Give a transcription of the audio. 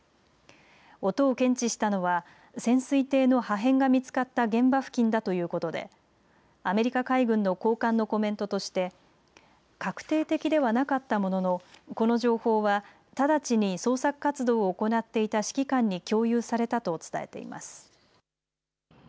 音を検知したのは潜水艇の破片が見つかった現場付近だということでアメリカ海軍の高官のコメントとして確定的ではなかったもののこの情報は直ちに捜索活動を行っていた指揮官に共有されたと伝えています。